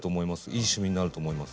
いい趣味になると思います。